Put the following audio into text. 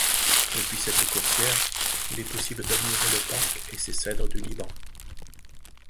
Depuis cette coursière, il est possible d'admirer le parc et ses cèdres du Liban.